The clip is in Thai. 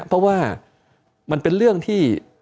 เพราะว่ามันเป็นเรื่องที่